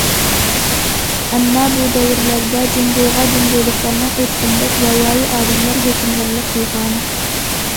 ئەمما بۇ دەۋرلەردە، جۇڭگوغا جۇڭگولۇقلارنىڭ ئېيتقىنىدەك« ياۋايى ئادەملەر» ھۆكۈمرانلىق قىلغان.